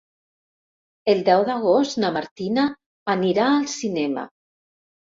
El deu d'agost na Martina anirà al cinema.